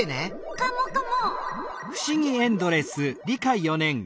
カモカモ！